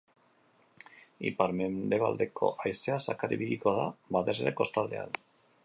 Ipar-mendebaldeko haizea zakar ibiliko da, batez ere kostaldean.